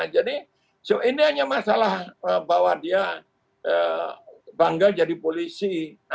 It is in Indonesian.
jadi ini hanya masalah bahwa dia bangga jadi polisi